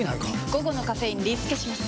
午後のカフェインリスケします！